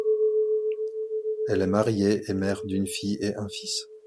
Elle est mariée et mère d'une fille et un fils.